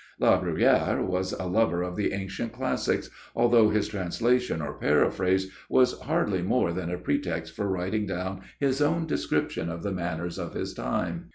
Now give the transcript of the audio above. La Bruyère was a lover of the ancient classics, although his translation or paraphrase was hardly more than a pretext for writing down his own description of the manners of his time.